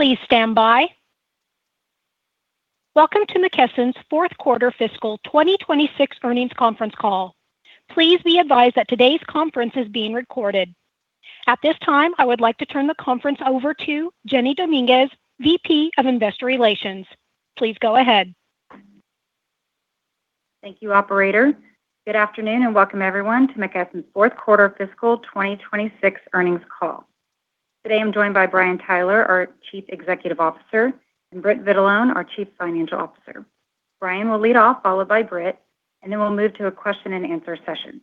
Welcome to McKesson's fourth quarter fiscal 2026 earnings conference call. Please be advised that today's conference is being recorded. At this time, I would like to turn the conference over to Jeni Dominguez, VP of Investor Relations. Please go ahead. Thank you, Operator. Good afternoon, and welcome everyone to McKesson's fourth quarter fiscal 2026 earnings call. Today I'm joined by Brian Tyler, our Chief Executive Officer, and Britt Vitalone, our Chief Financial Officer. Brian will lead off, followed by Britt. Then we'll move to a question and answer session.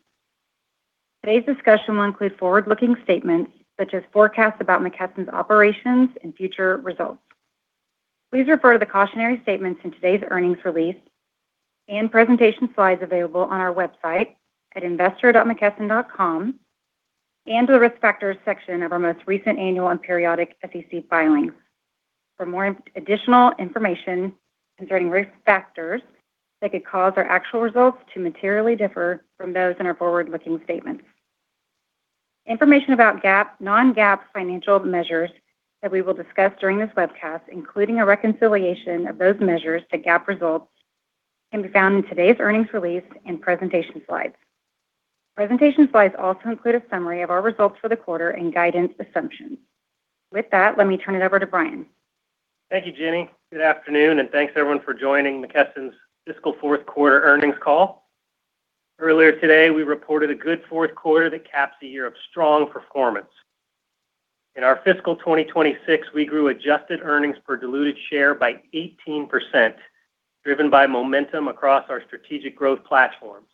Today's discussion will include forward-looking statements such as forecasts about McKesson's operations and future results. Please refer to the cautionary statements in today's earnings release and presentation slides available on our website at investor.mckesson.com and to the Risk Factors section of our most recent annual and periodic SEC filings for more additional information concerning risk factors that could cause our actual results to materially differ from those in our forward-looking statements. Information about GAAP, non-GAAP financial measures that we will discuss during this webcast, including a reconciliation of those measures to GAAP results, can be found in today's earnings release and presentation slides. Presentation slides also include a summary of our results for the quarter and guidance assumptions. With that, let me turn it over to Brian. Thank you, Jeni. Good afternoon, and thanks everyone for joining McKesson's fiscal fourth quarter earnings call. Earlier today, we reported a good fourth quarter that caps a year of strong performance. In our fiscal 2026, we grew adjusted earnings per diluted share by 18%, driven by momentum across our strategic growth platforms.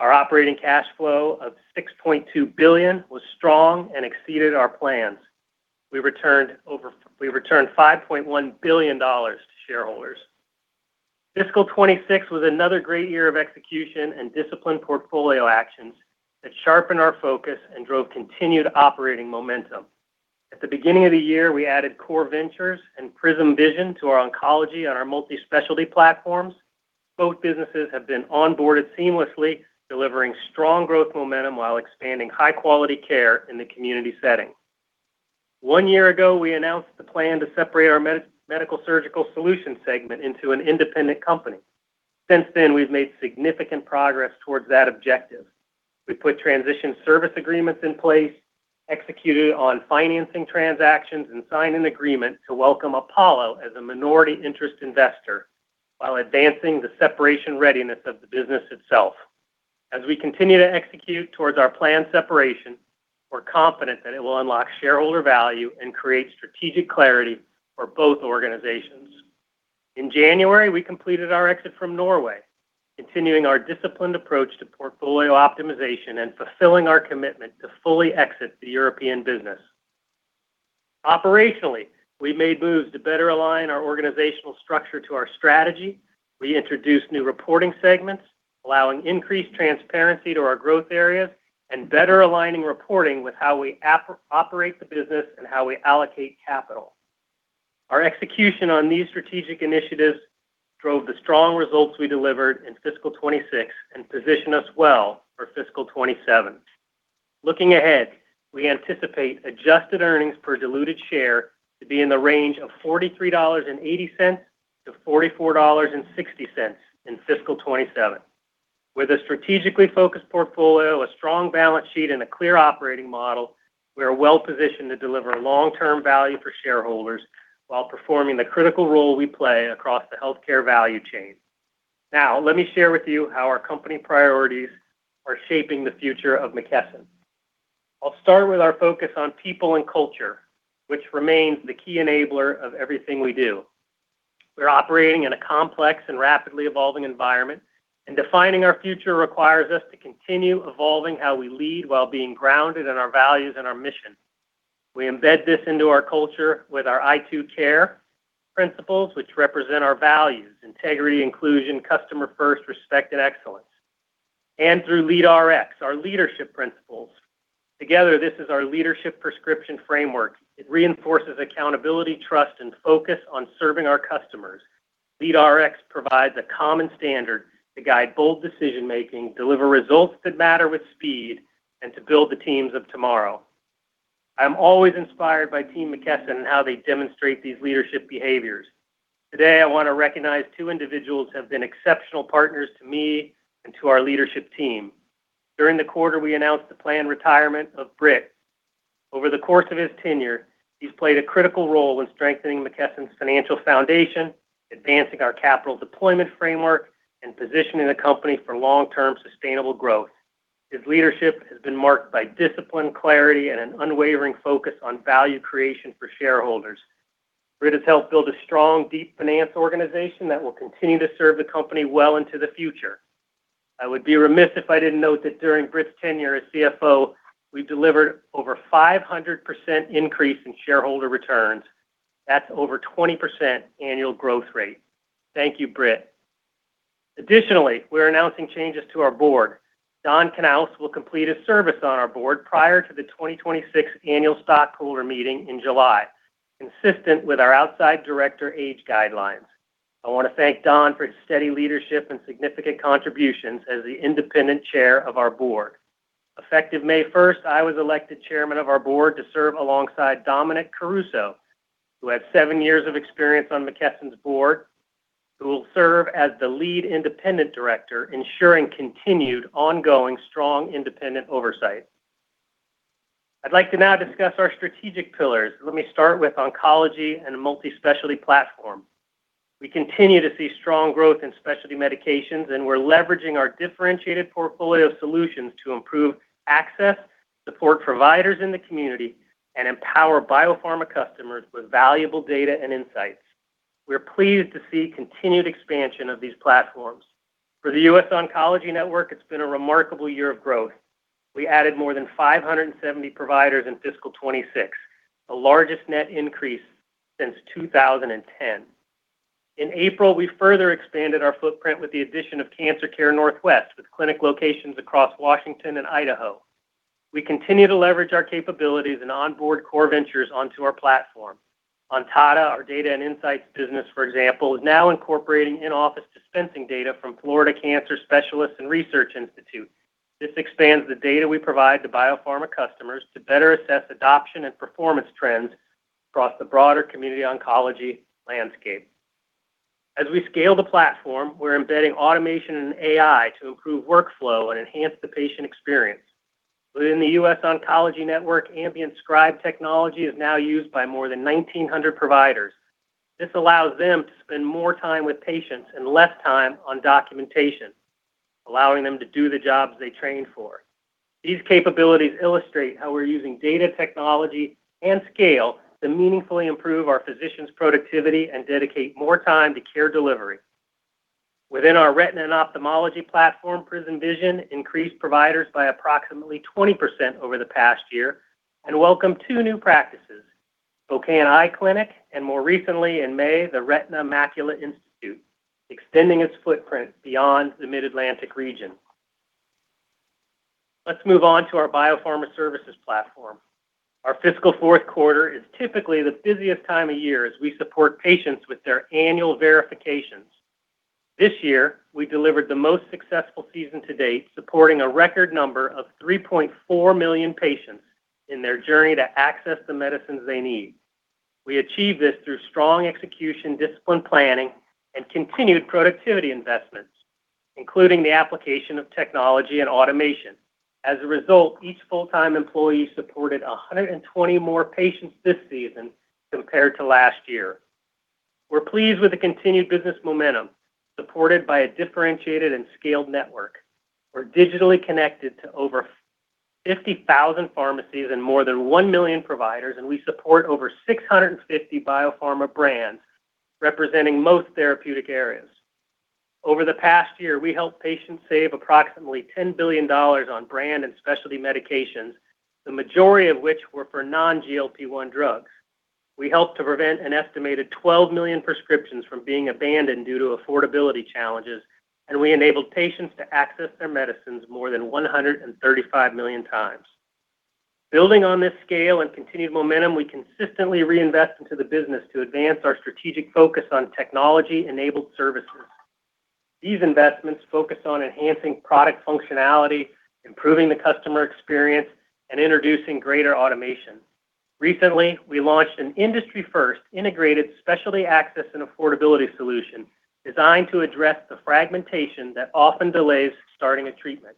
Our operating cash flow of $6.2 billion was strong and exceeded our plans. We returned $5.1 billion to shareholders. Fiscal 2026 was another great year of execution and disciplined portfolio actions that sharpened our focus and drove continued operating momentum. At the beginning of the year, we added Core Ventures and PRISM Vision to our Oncology and Multispecialty platforms. Both businesses have been onboarded seamlessly, delivering strong growth momentum while expanding high-quality care in the community setting. One year ago, we announced the plan to separate our Medical-Surgical Solutions segment into an independent company. Since then, we've made significant progress towards that objective. We put transition service agreements in place, executed on financing transactions, and signed an agreement to welcome Apollo as a minority interest investor while advancing the separation readiness of the business itself. As we continue to execute towards our planned separation, we're confident that it will unlock shareholder value and create strategic clarity for both organizations. In January, we completed our exit from Norway, continuing our disciplined approach to portfolio optimization and fulfilling our commitment to fully exit the European business. Operationally, we made moves to better align our organizational structure to our strategy. We introduced new reporting segments, allowing increased transparency to our growth areas and better aligning reporting with how we operate the business and how we allocate capital. Our execution on these strategic initiatives drove the strong results we delivered in fiscal 2026 and position us well for fiscal 2027. Looking ahead, we anticipate adjusted earnings per diluted share to be in the range of $43.80-$44.60 in fiscal 2027. With a strategically focused portfolio, a strong balance sheet, and a clear operating model, we are well-positioned to deliver long-term value for shareholders while performing the critical role we play across the healthcare value chain. Let me share with you how our company priorities are shaping the future of McKesson. I'll start with our focus on people and culture, which remains the key enabler of everything we do. We're operating in a complex and rapidly evolving environment, defining our future requires us to continue evolving how we lead while being grounded in our values and our mission. We embed this into our culture with our I²CARE principles, which represent our values, integrity, inclusion, customer first, respect, and excellence, and through LEADRx, our leadership principles. Together, this is our leadership prescription framework. It reinforces accountability, trust, and focus on serving our customers. LEADRx provides a common standard to guide bold decision-making, deliver results that matter with speed, and to build the teams of tomorrow. I'm always inspired by Team McKesson and how they demonstrate these leadership behaviors. Today, I want to recognize two individuals who have been exceptional partners to me and to our leadership team. During the quarter, we announced the planned retirement of Britt. Over the course of his tenure, he's played a critical role in strengthening McKesson's financial foundation, advancing our capital deployment framework, and positioning the company for long-term sustainable growth. His leadership has been marked by discipline, clarity, and an unwavering focus on value creation for shareholders. Britt has helped build a strong, deep finance organization that will continue to serve the company well into the future. I would be remiss if I didn't note that during Britt's tenure as CFO, we've delivered over 500% increase in shareholder returns. That's over 20% annual growth rate. Thank you, Britt. Additionally, we're announcing changes to our board. Don Knauss will complete his service on our board prior to the 2026 annual stockholder meeting in July, consistent with our outside director age guidelines. I want to thank Don for his steady leadership and significant contributions as the independent Chair of our board. Effective May 1st, I was elected Chairman of our board to serve alongside Dominic Caruso, who has seven years of experience on McKesson's board, who will serve as the Lead Independent Director, ensuring continued ongoing, strong independent oversight. I'd like to now discuss our strategic pillars. Let me start with Oncology and Multispecialty platform. We continue to see strong growth in specialty medications, and we're leveraging our differentiated portfolio of solutions to improve access, support providers in the community, and empower biopharma customers with valuable data and insights. We're pleased to see continued expansion of these platforms. For The US Oncology Network, it's been a remarkable year of growth. We added more than 570 providers in fiscal 2026, the largest net increase since 2010. In April, we further expanded our footprint with the addition of Cancer Care Northwest, with clinic locations across Washington and Idaho. We continue to leverage our capabilities and onboard Core Ventures onto our platform. Ontada, our data and insights business, for example, is now incorporating in-office dispensing data from Florida Cancer Specialists & Research Institute. This expands the data we provide to biopharma customers to better assess adoption and performance trends across the broader community oncology landscape. As we scale the platform, we're embedding automation and AI to improve workflow and enhance the patient experience. Within the US Oncology Network, ambient scribe technology is now used by more than 1,900 providers. This allows them to spend more time with patients and less time on documentation, allowing them to do the jobs they trained for. These capabilities illustrate how we're using data technology and scale to meaningfully improve our physicians' productivity and dedicate more time to care delivery. Within our retina and ophthalmology platform, PRISM Vision increased providers by approximately 20% over the past year and welcomed two new practices, Spokane Eye Clinic, and more recently in May, the Retina Macula Institute, extending its footprint beyond the Mid-Atlantic region. Let's move on to our biopharma services platform. Our fiscal fourth quarter is typically the busiest time of year as we support patients with their annual verifications. This year, we delivered the most successful season to date, supporting a record number of 3.4 million patients in their journey to access the medicines they need. We achieved this through strong execution, disciplined planning, and continued productivity investments, including the application of technology and automation. As a result, each full-time employee supported 120 more patients this season compared to last year. We're pleased with the continued business momentum, supported by a differentiated and scaled network. We're digitally connected to over 50,000 pharmacies and more than 1 million providers, and we support over 650 biopharma brands representing most therapeutic areas. Over the past year, we helped patients save approximately $10 billion on brand and specialty medications, the majority of which were for non-GLP-1 drugs. We helped to prevent an estimated 12 million prescriptions from being abandoned due to affordability challenges, and we enabled patients to access their medicines more than 135 million times. Building on this scale and continued momentum, we consistently reinvest into the business to advance our strategic focus on technology-enabled services. These investments focus on enhancing product functionality, improving the customer experience, and introducing greater automation. Recently, we launched an industry-first integrated specialty access and affordability solution designed to address the fragmentation that often delays starting a treatment.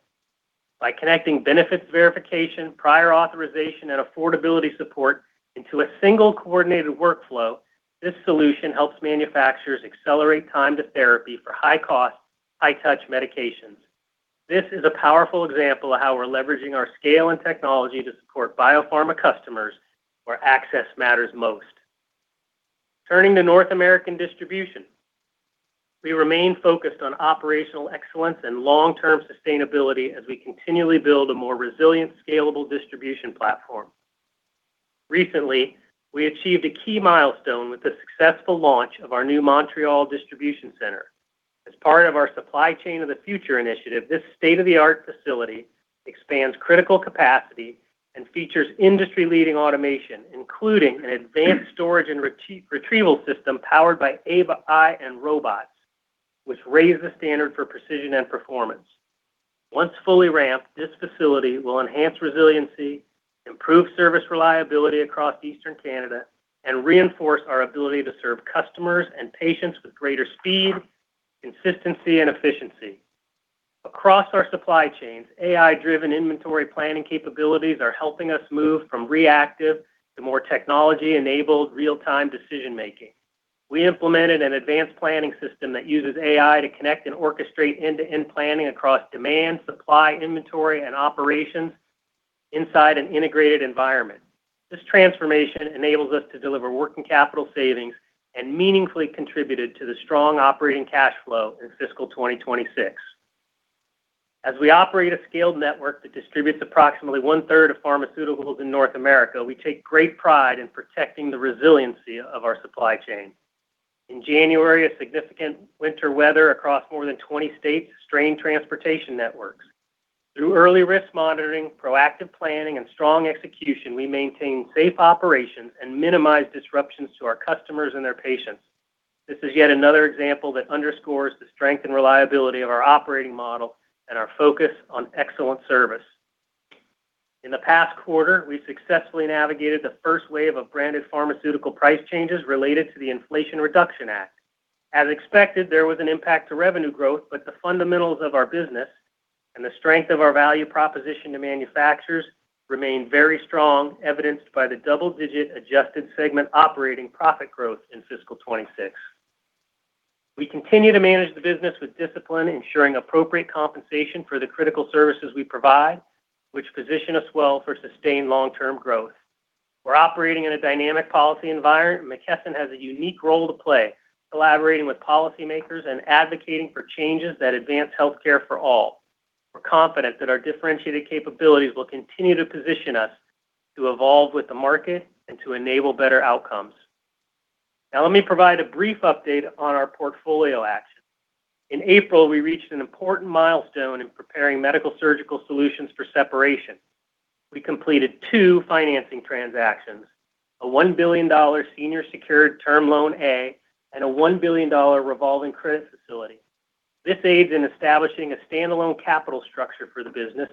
By connecting benefits verification, prior authorization, and affordability support into a single coordinated workflow, this solution helps manufacturers accelerate time to therapy for high cost, high touch medications. This is a powerful example of how we're leveraging our scale and technology to support biopharma customers where access matters most. Turning to North American distribution, we remain focused on operational excellence and long-term sustainability as we continually build a more resilient, scalable distribution platform. Recently, we achieved a key milestone with the successful launch of our new Montreal distribution center. As part of our Supply Chain of the Future initiative, this state-of-the-art facility expands critical capacity and features industry-leading automation, including an advanced storage and retrieval system powered by AI and robots, which raise the standard for precision and performance. Once fully ramped, this facility will enhance resiliency, improve service reliability across Eastern Canada, and reinforce our ability to serve customers and patients with greater speed, consistency, and efficiency. Across our supply chains, AI-driven inventory planning capabilities are helping us move from reactive to more technology-enabled real-time decision-making. We implemented an advanced planning system that uses AI to connect and orchestrate end-to-end planning across demand, supply, inventory, and operations inside an integrated environment. This transformation enables us to deliver working capital savings and meaningfully contributed to the strong operating cash flow in fiscal 2026. As we operate a scaled network that distributes approximately 1/3 of pharmaceuticals in North America, we take great pride in protecting the resiliency of our supply chain. In January, a significant winter weather across more than 20 states strained transportation networks. Through early risk monitoring, proactive planning, and strong execution, we maintained safe operations and minimized disruptions to our customers and their patients. This is yet another example that underscores the strength and reliability of our operating model and our focus on excellent service. In the past quarter, we successfully navigated the first wave of branded pharmaceutical price changes related to the Inflation Reduction Act. As expected, there was an impact to revenue growth, but the fundamentals of our business and the strength of our value proposition to manufacturers remained very strong, evidenced by the double-digit adjusted segment operating profit growth in fiscal 2026. We continue to manage the business with discipline, ensuring appropriate compensation for the critical services we provide, which position us well for sustained long-term growth. We're operating in a dynamic policy environment, and McKesson has a unique role to play, collaborating with policymakers and advocating for changes that advance healthcare for all. We're confident that our differentiated capabilities will continue to position us to evolve with the market and to enable better outcomes. Now let me provide a brief update on our portfolio action. In April, we reached an important milestone in preparing Medical-Surgical Solutions for separation. We completed two financing transactions: a $1 billion senior secured Term Loan A and a $1 billion revolving credit facility. This aids in establishing a standalone capital structure for the business,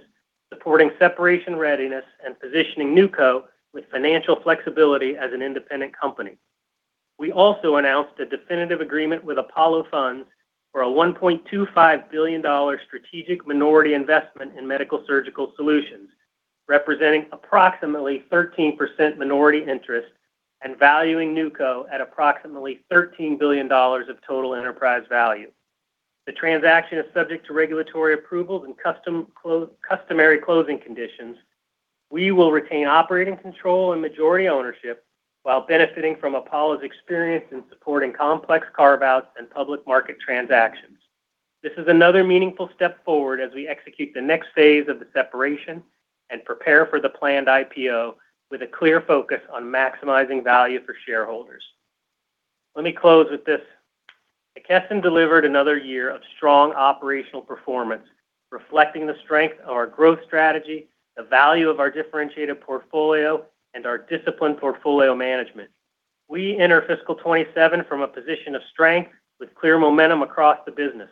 supporting separation readiness and positioning NewCo with financial flexibility as an independent company. We also announced a definitive agreement with Apollo Funds for a $1.25 billion strategic minority investment in Medical-Surgical Solutions, representing approximately 13% minority interest and valuing NewCo at approximately $13 billion of total enterprise value. The transaction is subject to regulatory approvals and customary closing conditions. We will retain operating control and majority ownership while benefiting from Apollo's experience in supporting complex carve-outs and public market transactions. This is another meaningful step forward as we execute the next phase of the separation and prepare for the planned IPO with a clear focus on maximizing value for shareholders. Let me close with this. McKesson delivered another year of strong operational performance, reflecting the strength of our growth strategy, the value of our differentiated portfolio, and our disciplined portfolio management. We enter fiscal 2027 from a position of strength with clear momentum across the business.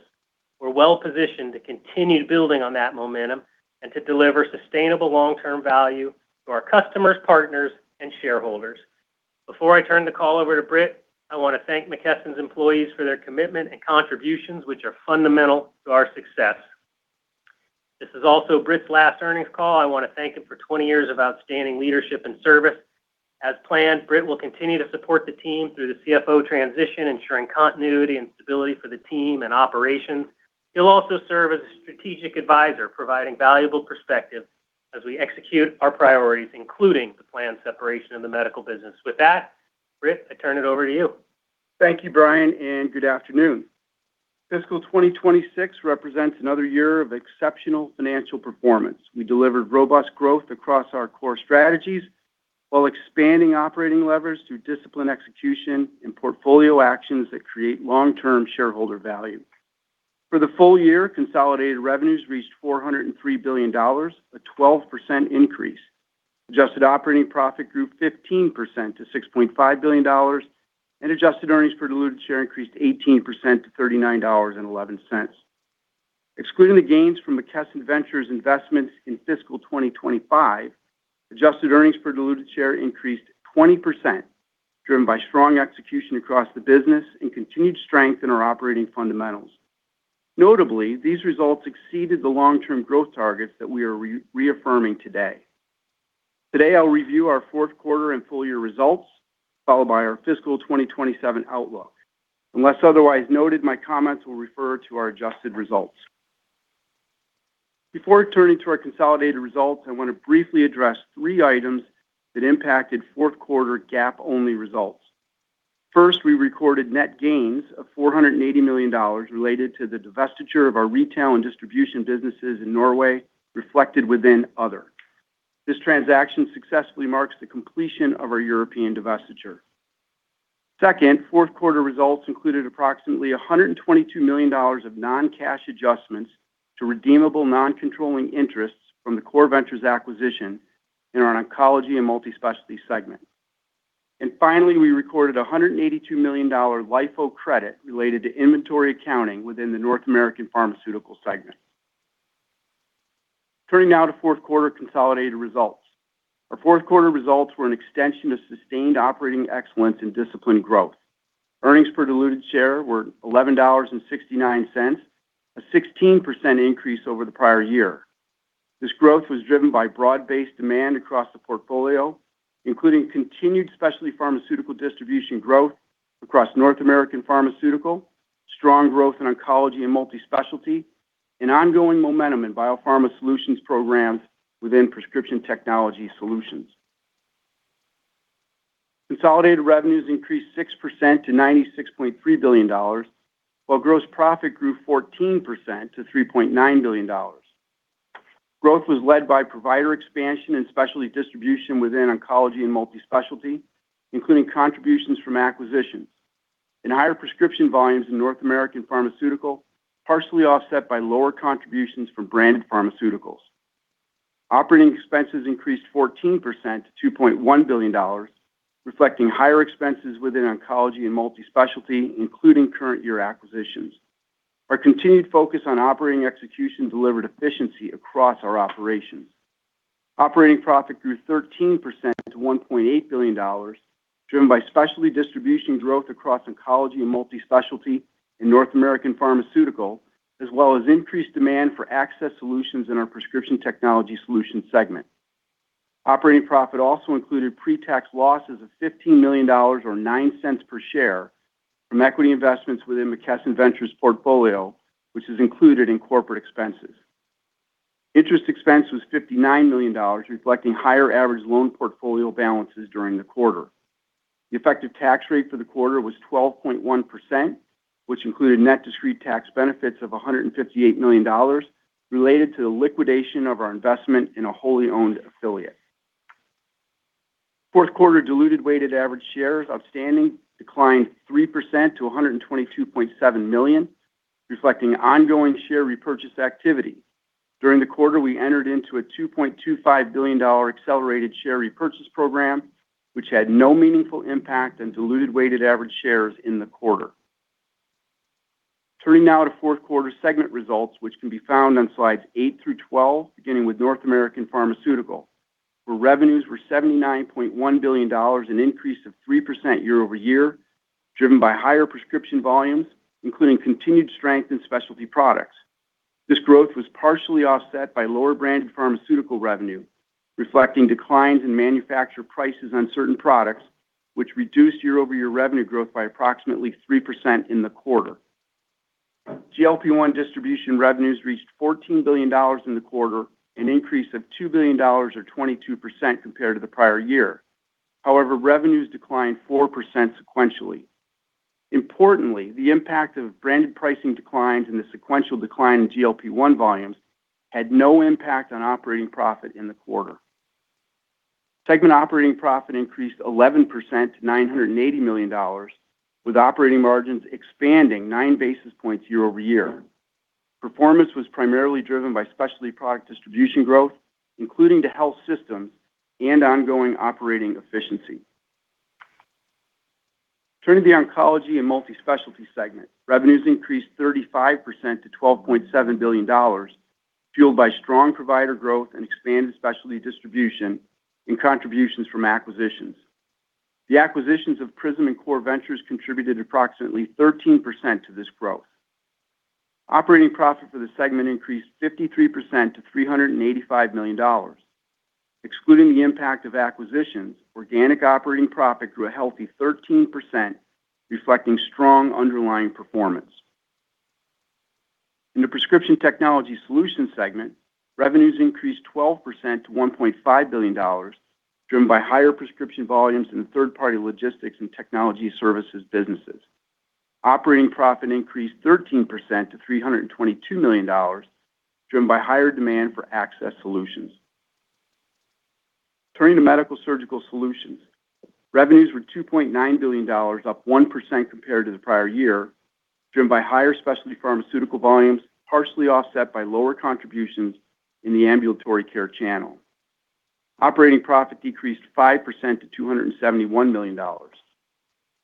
We're well-positioned to continue building on that momentum and to deliver sustainable long-term value to our customers, partners, and shareholders. Before I turn the call over to Britt, I want to thank McKesson's employees for their commitment and contributions, which are fundamental to our success. This is also Britt's last earnings call. I want to thank him for 20 years of outstanding leadership and service. As planned, Britt will continue to support the team through the CFO transition, ensuring continuity and stability for the team and operations. He'll also serve as a strategic advisor, providing valuable perspective as we execute our priorities, including the planned separation of the Medical business. With that, Britt, I turn it over to you. Thank you, Brian. Good afternoon. Fiscal 2026 represents another year of exceptional financial performance. We delivered robust growth across our core strategies while expanding operating leverage through disciplined execution and portfolio actions that create long-term shareholder value. For the full year, consolidated revenues reached $403 billion, a 12% increase. Adjusted operating profit grew 15% to $6.5 billion, and adjusted earnings per diluted share increased 18% to $39.11. Excluding the gains from McKesson Ventures investments in fiscal 2025, adjusted earnings per diluted share increased 20%, driven by strong execution across the business and continued strength in our operating fundamentals. Notably, these results exceeded the long-term growth targets that we are reaffirming today. Today, I'll review our fourth quarter and full year results, followed by our fiscal 2027 outlook. Unless otherwise noted, my comments will refer to our adjusted results. Before turning to our consolidated results, I want to briefly address three items that impacted fourth quarter GAAP-only results. First, we recorded net gains of $480 million related to the divestiture of our retail and distribution businesses in Norway, reflected within Other. This transaction successfully marks the completion of our European divestiture. Second, fourth quarter results included approximately $122 million of non-cash adjustments to redeemable non-controlling interests from the Core Ventures acquisition in our Oncology and Multispecialty segment. Finally, we recorded a $182 million LIFO credit related to inventory accounting within the North American Pharmaceutical segment. Turning now to fourth quarter consolidated results. Our fourth quarter results were an extension of sustained operating excellence and disciplined growth. Earnings per diluted share were $11.69, a 16% increase over the prior year. This growth was driven by broad-based demand across the portfolio, including continued specialty pharmaceutical distribution growth across North American Pharmaceutical, strong growth in Oncology and Multispecialty, and ongoing momentum in biopharma solutions programs within Prescription Technology Solutions. Consolidated revenues increased 6% to $96.3 billion, while gross profit grew 14% to $3.9 billion. Growth was led by provider expansion and specialty distribution within Oncology and Multispecialty, including contributions from acquisitions and higher prescription volumes in North American Pharmaceutical, partially offset by lower contributions from branded pharmaceuticals. Operating expenses increased 14% to $2.1 billion, reflecting higher expenses within Oncology and Multispecialty, including current year acquisitions. Our continued focus on operating execution delivered efficiency across our operations. Operating profit grew 13% to $1.8 billion, driven by specialty distribution growth across Oncology and Multispecialty in North American Pharmaceutical, as well as increased demand for access solutions in our Prescription Technology Solutions segment. Operating profit also included pre-tax losses of $15 million or $0.09 per share from equity investments within McKesson Ventures portfolio, which is included in corporate expenses. Interest expense was $59 million, reflecting higher average loan portfolio balances during the quarter. The effective tax rate for the quarter was 12.1%, which included net discrete tax benefits of $158 million related to the liquidation of our investment in a wholly owned affiliate. Fourth quarter diluted weighted average shares outstanding declined 3% to 122.7 million, reflecting ongoing share repurchase activity. During the quarter, we entered into a $2.25 billion accelerated share repurchase program, which had no meaningful impact on diluted weighted average shares in the quarter. Turning now to fourth quarter segment results, which can be found on slides eight through 12, beginning with North American Pharmaceutical, where revenues were $79.1 billion, an increase of 3% year-over-year, driven by higher prescription volumes, including continued strength in specialty products. This growth was partially offset by lower branded pharmaceutical revenue, reflecting declines in manufacturer prices on certain products, which reduced year-over-year revenue growth by approximately 3% in the quarter. GLP-1 distribution revenues reached $14 billion in the quarter, an increase of $2 billion or 22% compared to the prior year. However, revenues declined 4% sequentially. Importantly, the impact of branded pricing declines and the sequential decline in GLP-1 volumes had no impact on operating profit in the quarter. Segment operating profit increased 11% to $980 million, with operating margins expanding 9 basis points year-over-year. Performance was primarily driven by specialty product distribution growth, including to health systems and ongoing operating efficiency. Turning to the Oncology and Multispecialty segment, revenues increased 35% to $12.7 billion, fueled by strong provider growth and expanded specialty distribution and contributions from acquisitions. The acquisitions of PRISM and Core Ventures contributed approximately 13% to this growth. Operating profit for the segment increased 53% to $385 million. Excluding the impact of acquisitions, organic operating profit grew a healthy 13%, reflecting strong underlying performance. In the Prescription Technology Solutions segment, revenues increased 12% to $1.5 billion, driven by higher prescription volumes in the third-party logistics and technology services businesses. Operating profit increased 13% to $322 million, driven by higher demand for access solutions. Turning to Medical-Surgical Solutions, revenues were $2.9 billion, up 1% compared to the prior year, driven by higher specialty pharmaceutical volumes, partially offset by lower contributions in the ambulatory care channel. Operating profit decreased 5% to $271 million.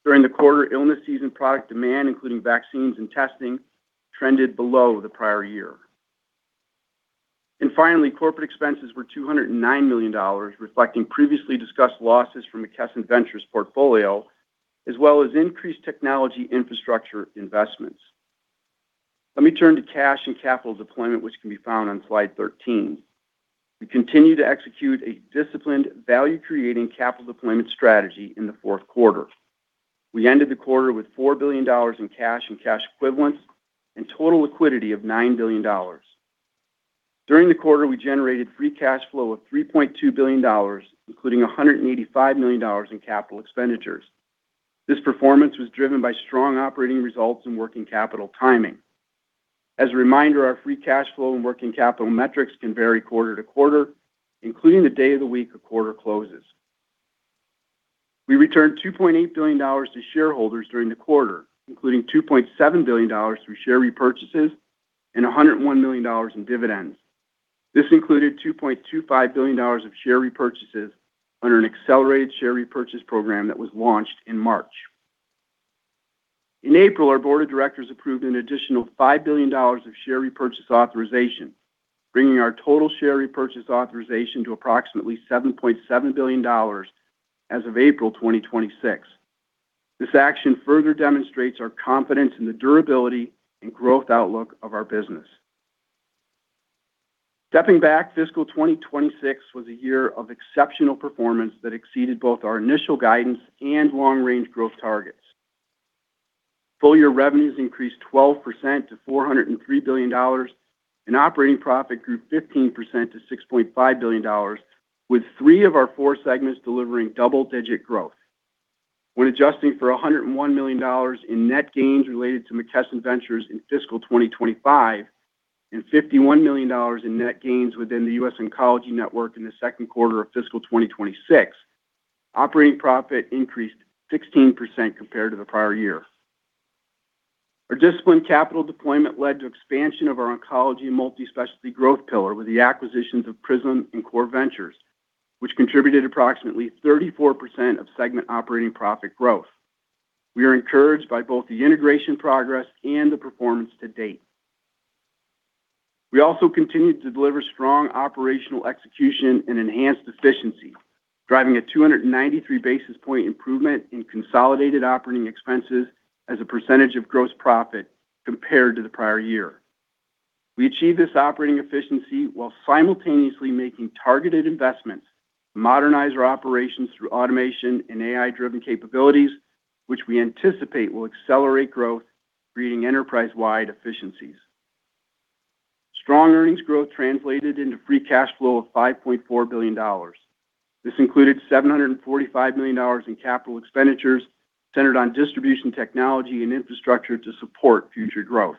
During the quarter, illness season product demand, including vaccines and testing, trended below the prior year. Finally, corporate expenses were $209 million, reflecting previously discussed losses from McKesson Ventures portfolio, as well as increased technology infrastructure investments. Let me turn to cash and capital deployment, which can be found on slide 13. We continue to execute a disciplined value-creating capital deployment strategy in the fourth quarter. We ended the quarter with $4 billion in cash and cash equivalents and total liquidity of $9 billion. During the quarter, we generated free cash flow of $3.2 billion, including $185 million in capital expenditures. This performance was driven by strong operating results and working capital timing. As a reminder, our free cash flow and working capital metrics can vary quarter-to-quarter, including the day of the week a quarter closes. We returned $2.8 billion to shareholders during the quarter, including $2.7 billion through share repurchases and $101 million in dividends. This included $2.25 billion of share repurchases under an accelerated share repurchase program that was launched in March. In April, our board of directors approved an additional $5 billion of share repurchase authorization, bringing our total share repurchase authorization to approximately $7.7 billion as of April 2026. This action further demonstrates our confidence in the durability and growth outlook of our business. Stepping back, fiscal 2026 was a year of exceptional performance that exceeded both our initial guidance and long-range growth targets. Full-year revenues increased 12% to $403 billion, and operating profit grew 15% to $6.5 billion, with three of our four segments delivering double-digit growth. When adjusting for $101 million in net gains related to McKesson Ventures in fiscal 2025 and $51 million in net gains within The US Oncology Network in the second quarter of fiscal 2026, operating profit increased 16% compared to the prior year. Our disciplined capital deployment led to expansion of our oncology and multispecialty growth pillar with the acquisitions of PRISM and Core Ventures, which contributed approximately 34% of segment operating profit growth. We are encouraged by both the integration progress and the performance to date. We also continued to deliver strong operational execution and enhanced efficiency, driving a 293 basis point improvement in consolidated operating expenses as a percentage of gross profit compared to the prior year. We achieved this operating efficiency while simultaneously making targeted investments to modernize our operations through automation and AI-driven capabilities, which we anticipate will accelerate growth, creating enterprise-wide efficiencies. Strong earnings growth translated into free cash flow of $5.4 billion. This included $745 million in capital expenditures centered on distribution technology and infrastructure to support future growth.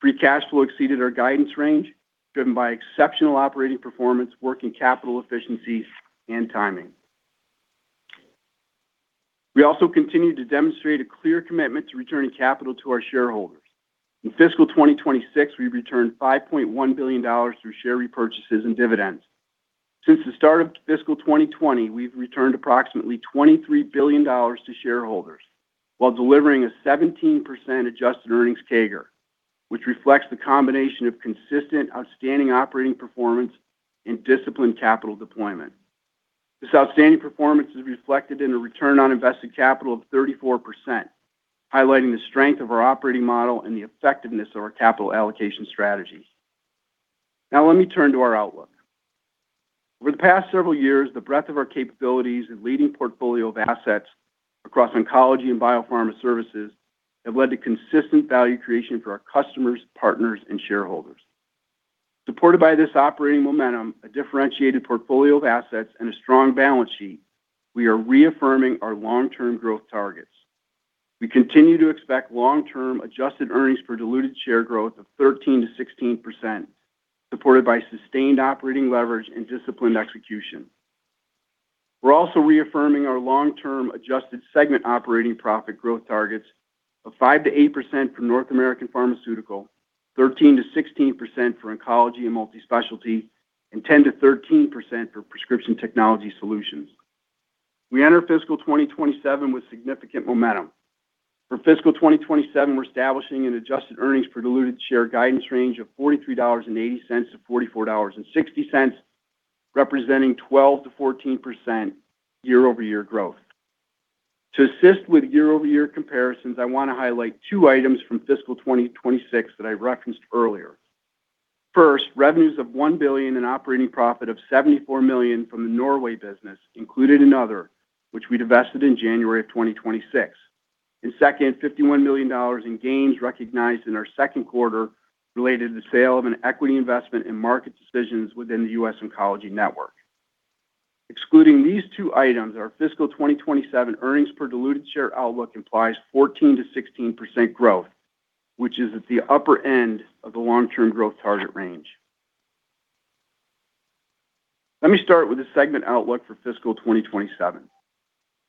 Free cash flow exceeded our guidance range, driven by exceptional operating performance, working capital efficiencies, and timing. We also continued to demonstrate a clear commitment to returning capital to our shareholders. In fiscal 2026, we returned $5.1 billion through share repurchases and dividends. Since the start of fiscal 2020, we've returned approximately $23 billion to shareholders while delivering a 17% adjusted earnings CAGR, which reflects the combination of consistent outstanding operating performance and disciplined capital deployment. This outstanding performance is reflected in a return on invested capital of 34%, highlighting the strength of our operating model and the effectiveness of our capital allocation strategy. Let me turn to our outlook. Over the past several years, the breadth of our capabilities and leading portfolio of assets across oncology and biopharma services have led to consistent value creation for our customers, partners, and shareholders. Supported by this operating momentum, a differentiated portfolio of assets, and a strong balance sheet, we are reaffirming our long-term growth targets. We continue to expect long-term adjusted earnings per diluted share growth of 13%-16%, supported by sustained operating leverage and disciplined execution. We're also reaffirming our long-term adjusted segment operating profit growth targets of 5%-8% for North American Pharmaceutical, 13%-16% for Oncology and Multispecialty, and 10%-13% for Prescription Technology Solutions. We enter fiscal 2027 with significant momentum. For fiscal 2027, we're establishing an adjusted earnings per diluted share guidance range of $43.80-$44.60, representing 12%-14% year-over-year growth. To assist with year-over-year comparisons, I want to highlight two items from fiscal 2026 that I referenced earlier. First, revenues of $1 billion and operating profit of $74 million from the Norway business included in other, which we divested in January of 2026. Second, $51 million in gains recognized in our second quarter related to the sale of an equity investment in Market Decisions within The US Oncology Network. Excluding these two items, our fiscal 2027 earnings per diluted share outlook implies 14%-16% growth, which is at the upper end of the long-term growth target range. Let me start with the segment outlook for fiscal 2027.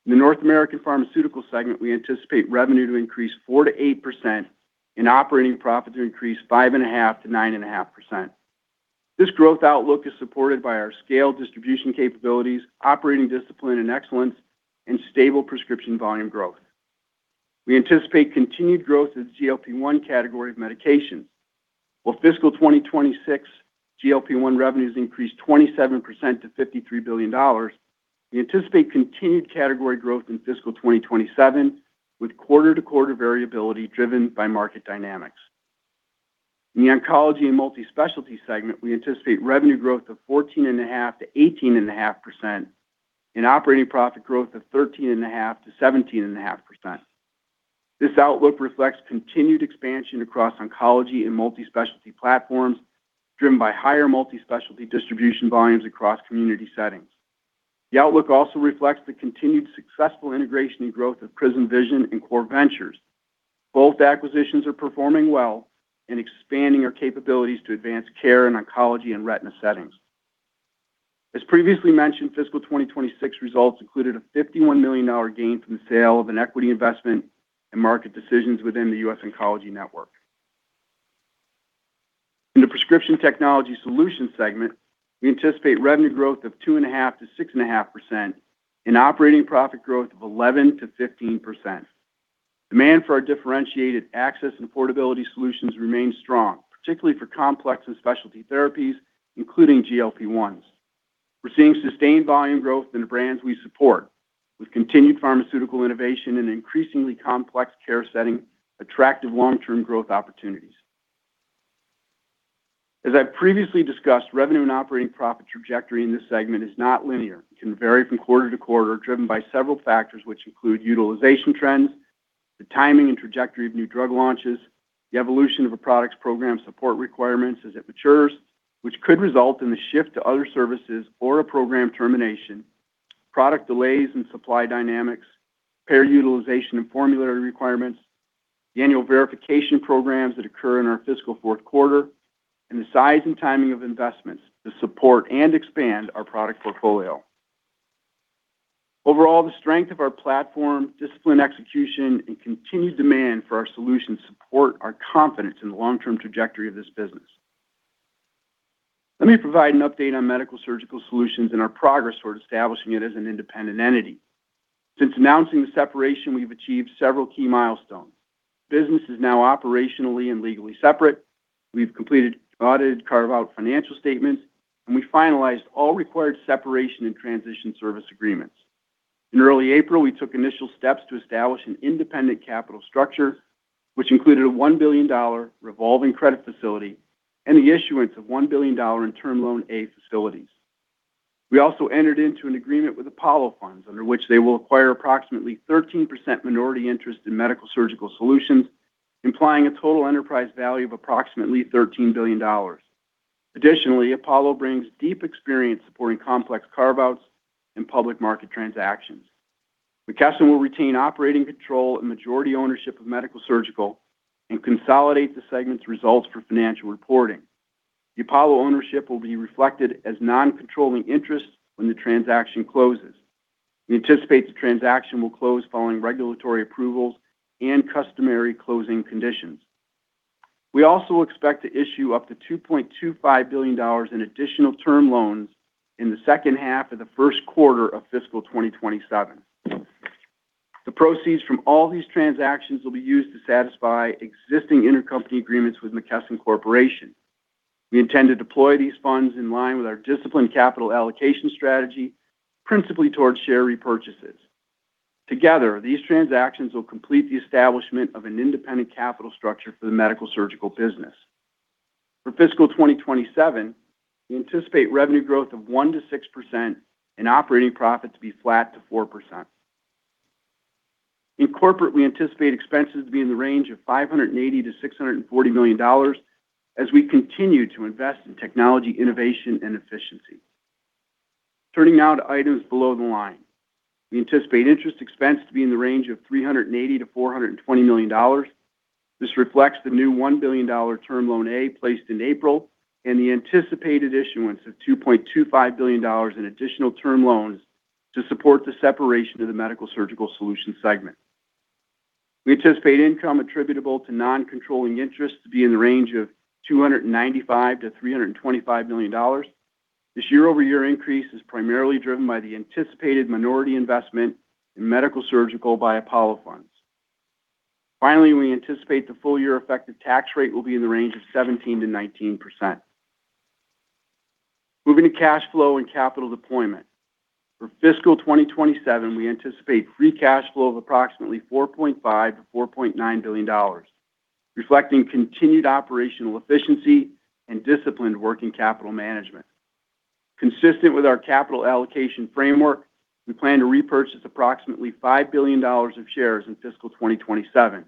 In the North American Pharmaceutical segment, we anticipate revenue to increase 4%-8% and operating profit to increase 5.5%-9.5%. This growth outlook is supported by our scaled distribution capabilities, operating discipline and excellence, and stable prescription volume growth. We anticipate continued growth in the GLP-1 category of medications. While fiscal 2026 GLP-1 revenues increased 27% to $53 billion, we anticipate continued category growth in fiscal 2027 with quarter-to-quarter variability driven by market dynamics. In the Oncology and Multispecialty segment, we anticipate revenue growth of 14.5%-18.5% and operating profit growth of 13.5%-17.5%. This outlook reflects continued expansion across oncology and multispecialty platforms driven by higher multispecialty distribution volumes across community settings. The outlook also reflects the continued successful integration and growth of PRISM Vision and Core Ventures. Both acquisitions are performing well and expanding our capabilities to advance care in oncology and retina settings. As previously mentioned, fiscal 2026 results included a $51 million gain from the sale of an equity investment in Market Decisions within The US Oncology Network. In the Prescription Technology Solutions segment, we anticipate revenue growth of 2.5%-6.5% and operating profit growth of 11%-15%. Demand for our differentiated access and affordability solutions remains strong, particularly for complex and specialty therapies, including GLP-1s. We're seeing sustained volume growth in the brands we support. With continued pharmaceutical innovation and an increasingly complex care setting, attractive long-term growth opportunities. As I've previously discussed, revenue and operating profit trajectory in this segment is not linear. It can vary from quarter to quarter, driven by several factors which include utilization trends, the timing and trajectory of new drug launches, the evolution of a product's program support requirements as it matures, which could result in the shift to other services or a program termination, product delays and supply dynamics, payer utilization and formulary requirements, the annual verification programs that occur in our fiscal fourth quarter, and the size and timing of investments to support and expand our product portfolio. Overall, the strength of our platform, disciplined execution, and continued demand for our solutions support our confidence in the long-term trajectory of this business. Let me provide an update on Medical-Surgical Solutions and our progress toward establishing it as an independent entity. Since announcing the separation, we've achieved several key milestones. Business is now operationally and legally separate. We've completed audited carve-out financial statements, and we finalized all required separation and transition service agreements. In early April, we took initial steps to establish an independent capital structure, which included a $1 billion revolving credit facility and the issuance of $1 billion in Term Loan A facilities. We also entered into an agreement with Apollo Funds, under which they will acquire approximately 13% minority interest in Medical-Surgical Solutions, implying a total enterprise value of approximately $13 billion. Additionally, Apollo brings deep experience supporting complex carve-outs and public market transactions. McKesson will retain operating control and majority ownership of Medical-Surgical and consolidate the segment's results for financial reporting. The Apollo ownership will be reflected as non-controlling interest when the transaction closes. We anticipate the transaction will close following regulatory approvals and customary closing conditions. We also expect to issue up to $2.25 billion in additional term loans in the second half of the first quarter of fiscal 2027. The proceeds from all these transactions will be used to satisfy existing intercompany agreements with McKesson Corporation. We intend to deploy these funds in line with our disciplined capital allocation strategy, principally towards share repurchases. Together, these transactions will complete the establishment of an independent capital structure for the Medical-Surgical business. For fiscal 2027, we anticipate revenue growth of 1%-6% and operating profit to be flat to 4%. In corporate, we anticipate expenses to be in the range of $580 million-$640 million as we continue to invest in technology, innovation, and efficiency. Turning now to items below the line. We anticipate interest expense to be in the range of $380 million-$420 million. This reflects the new $1 billion Term Loan A placed in April and the anticipated issuance of $2.25 billion in additional term loans to support the separation of the Medical-Surgical Solutions segment. We anticipate income attributable to non-controlling interests to be in the range of $295 million-$325 million. This year-over-year increase is primarily driven by the anticipated minority investment in Medical-Surgical by Apollo Funds. Finally, we anticipate the full year effective tax rate will be in the range of 17%-19%. Moving to cash flow and capital deployment. For fiscal 2027, we anticipate free cash flow of approximately $4.5 billion-$4.9 billion, reflecting continued operational efficiency and disciplined working capital management. Consistent with our capital allocation framework, we plan to repurchase approximately $5 billion of shares in fiscal 2027.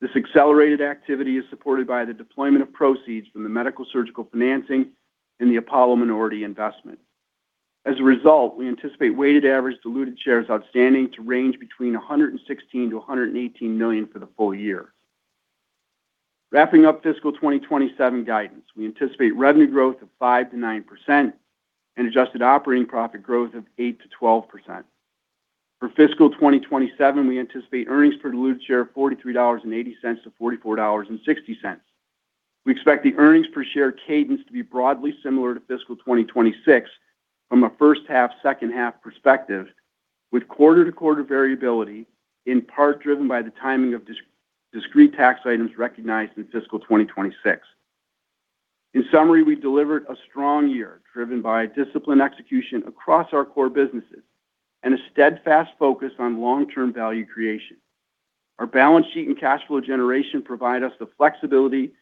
This accelerated activity is supported by the deployment of proceeds from the Medical-Surgical Solutions financing and the Apollo minority investment. As a result, we anticipate weighted average diluted shares outstanding to range between 116 million-118 million for the full year. Wrapping up fiscal 2027 guidance, we anticipate revenue growth of 5%-9% and adjusted operating profit growth of 8%-12%. For fiscal 2027, we anticipate earnings per diluted share of $43.80 to $44.60. We expect the earnings per share cadence to be broadly similar to fiscal 2026 from a first half, second half perspective, with quarter-to-quarter variability in part driven by the timing of discrete tax items recognized in fiscal 2026. In summary, we delivered a strong year driven by disciplined execution across our core businesses and a steadfast focus on long-term value creation. Our balance sheet and cash flow generation provide us the flexibility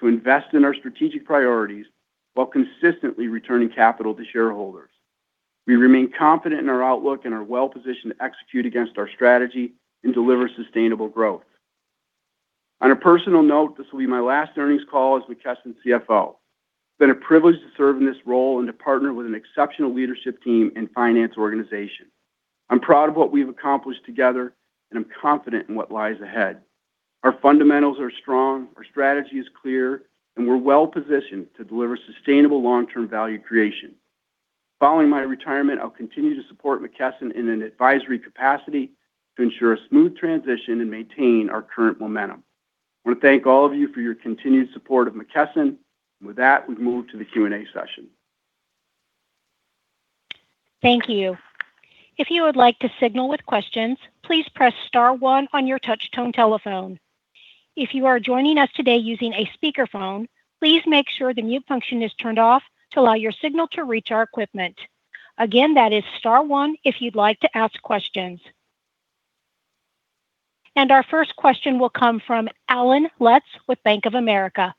to invest in our strategic priorities while consistently returning capital to shareholders. We remain confident in our outlook and are well-positioned to execute against our strategy and deliver sustainable growth. On a personal note, this will be my last earnings call as McKesson CFO. It's been a privilege to serve in this role and to partner with an exceptional leadership team and finance organization. I'm proud of what we've accomplished together, and I'm confident in what lies ahead. Our fundamentals are strong, our strategy is clear, and we're well-positioned to deliver sustainable long-term value creation. Following my retirement, I'll continue to support McKesson in an advisory capacity to ensure a smooth transition and maintain our current momentum. I want to thank all of you for your continued support of McKesson. With that, we move to the Q&A session. Thank you. If you would like to signal with questions, please press star one on your touchtone telephone. If you are joining us today using a speaker phone, please make sure your mute function is turned off to allow your signal to reach our eqyupment. Again, that is star one if you'd like to ask questions. Our first question will come from Allen Lutz with Bank of America.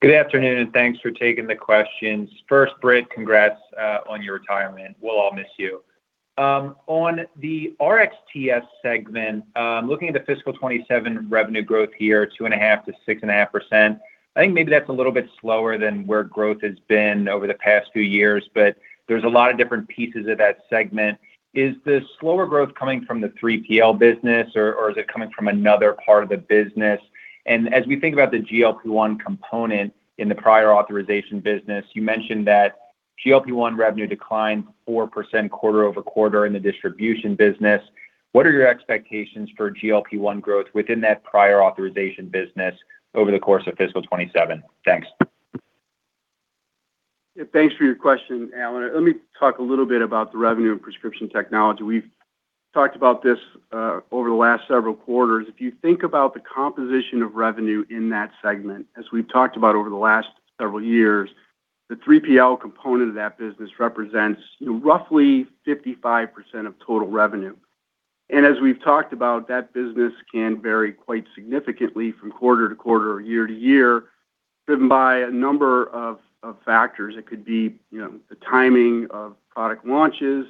Good afternoon, and thanks for taking the questions. First, Britt, congrats on your retirement. We'll all miss you. On the RXTS segment, looking at the fiscal 2027 revenue growth here, 2.5%-6.5%, I think maybe that's a little bit slower than where growth has been over the past few years, but there's a lot of different pieces of that segment. Is the slower growth coming from the 3PL business or is it coming from another part of the business? As we think about the GLP-1 component in the prior authorization business, you mentioned that GLP-1 revenue declined 4% quarter-over-quarter in the distribution business. What are your expectations for GLP-1 growth within that prior authorization business over the course of fiscal 2027? Thanks. Yeah, thanks for your question, Allen. Let me talk a little bit about the revenue and Prescription Technology. We've talked about this over the last several quarters. If you think about the composition of revenue in that segment, as we've talked about over the last several years, the 3PL component of that business represents roughly 55% of total revenue. As we've talked about, that business can vary quite significantly from quarter to quarter or year to year, driven by a number of factors. It could be, you know, the timing of product launches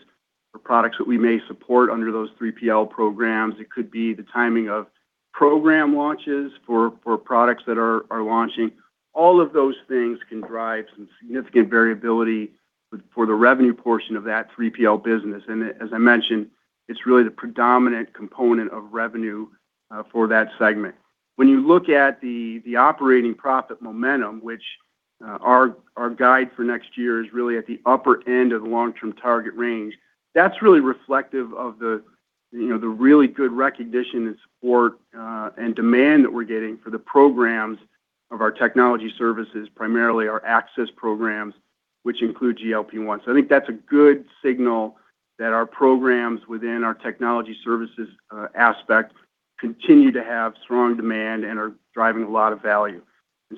or products that we may support under those 3PL programs. It could be the timing of program launches for products that are launching. All of those things can drive some significant variability for the revenue portion of that 3PL business. As I mentioned, it's really the predominant component of revenue for that segment. When you look at the operating profit momentum, which our guide for next year is really at the upper end of the long-term target range, that's really reflective of the, you know, the really good recognition and support and demand that we're getting for the programs of our technology services, primarily our access programs, which include GLP-1. I think that's a good signal that our programs within our technology services aspect continue to have strong demand and are driving a lot of value.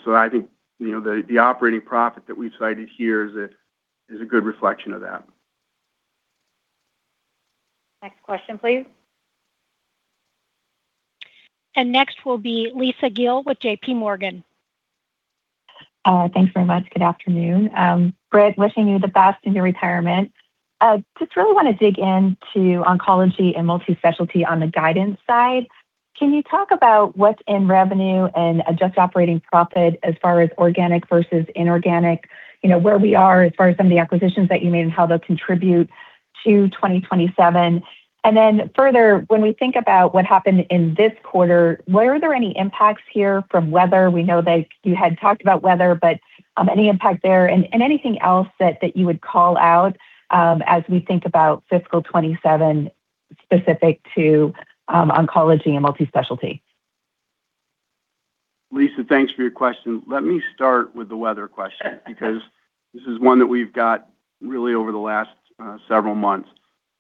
I think, you know, the operating profit that we've cited here is a good reflection of that. Next question, please. Next will be Lisa Gill with JPMorgan. Thanks very much. Good afternoon. Britt, wishing you the best in your retirement. Just really want to dig into Oncology and Multispecialty on the guidance side. Can you talk about what's in revenue and adjust operating profit as far as organic versus inorganic, you know, where we are as far as some of the acquisitions that you made and how they'll contribute to 2027. When we think about what happened in this quarter, were there any impacts here from weather? We know that you had talked about weather, any impact there and anything else that you would call out as we think about fiscal 2027 specific to Oncology and Multispecialty? Lisa, thanks for your question. Let me start with the weather question because this is one that we've got really over the last several months.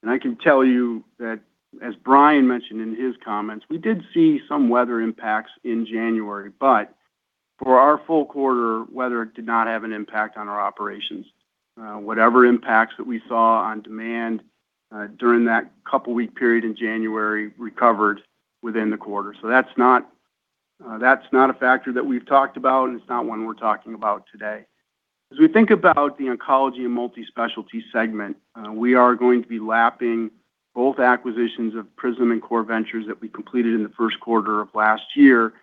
I can tell you that as Brian mentioned in his comments, we did see some weather impacts in January, but for our full quarter, weather did not have an impact on our operations. Whatever impacts that we saw on demand during that couple week period in January recovered within the quarter. That's not a factor that we've talked about, and it's not one we're talking about today. As we think about the Oncology and Multispecialty segment, we are going to be lapping both acquisitions of PRISM and Core Ventures that we completed in the first quarter of last year.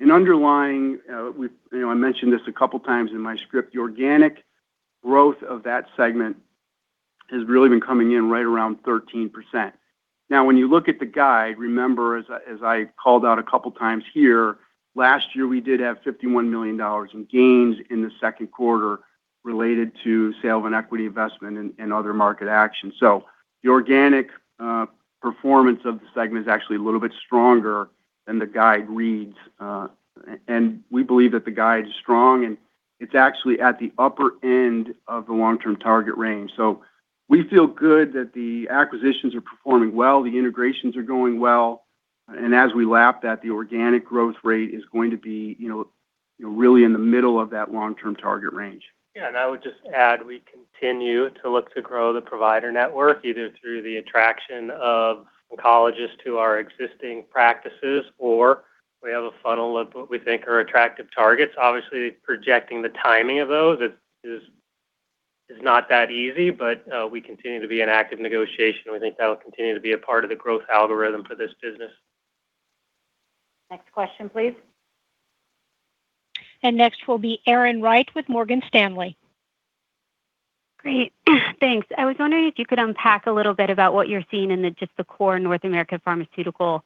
Underlying, you know, I mentioned this a couple times in my script, the organic growth of that segment has really been coming in right around 13%. When you look at the guide, remember, as I, as I called out a couple times here, last year, we did have $51 million in gains in the second quarter related to sale of an equity investment and other market action. The organic performance of the segment is actually a little bit stronger than the guide reads. We believe that the guide is strong, and it's actually at the upper end of the long-term target range. We feel good that the acquisitions are performing well, the integrations are going well. As we lap that, the organic growth rate is going to be, you know, really in the middle of that long-term target range. Yeah. I would just add, we continue to look to grow the provider network, either through the attraction of oncologists to our existing practices, or we have a funnel of what we think are attractive targets. Obviously, projecting the timing of those is not that easy, but we continue to be in active negotiation. We think that will continue to be a part of the growth algorithm for this business. Next question, please. Next will be Erin Wright with Morgan Stanley. Great. Thanks. I was wondering if you could unpack a little bit about what you're seeing in the just the core North American Pharmaceutical